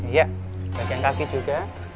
iya bagian kaki juga